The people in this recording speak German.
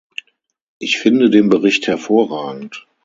Ich finde den Bericht hervorragend.